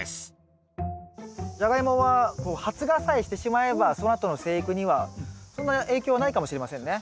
ジャガイモは発芽さえしてしまえばそのあとの生育にはそんな影響はないかもしれませんね。